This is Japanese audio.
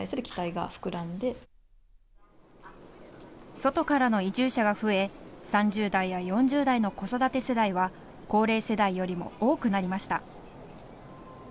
外からの移住者が増え３０代や４０代の子育て世代は高齢世代よりも多くなりました。